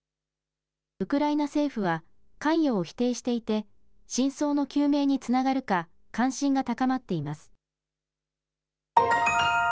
ウクライナ政府は、関与を否定していて、真相の究明につながるか、関心が高まっています。